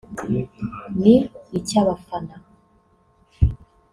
ni icy’abafana